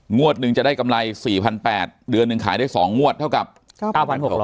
งวดหนึ่งจะได้กำไร๔๘๐๐เดือนหนึ่งขายได้๒งวดเท่ากับ๙๖๐๐